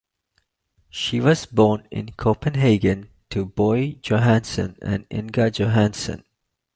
She was born in Copenhagen to Boye Johansen and Inga Johansen.